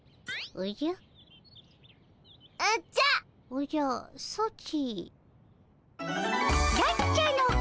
おじゃソチ。